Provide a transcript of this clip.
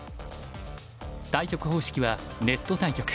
対局方式はネット対局。